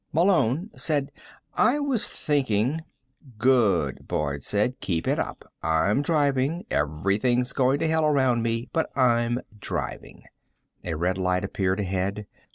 Malone said: "I was thinking " "Good," Boyd said. "Keep it up. I'm driving. Everything's going to hell around me, but I'm driving." A red light appeared ahead.